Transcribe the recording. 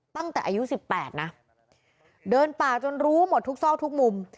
ตั้งแต่อายุ๑๘นะเดินป่าจนรู้หมดทุกซอกทุกมุม